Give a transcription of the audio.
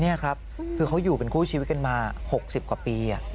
นี่ครับคือเขาอยู่เป็นคู่ชีวิตกันมา๖๐กว่าปี